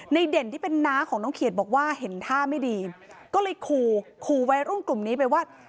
เด่นที่เป็นน้าของน้องเขียดบอกว่าเห็นท่าไม่ดีก็เลยขู่ขู่วัยรุ่นกลุ่มนี้ไปว่า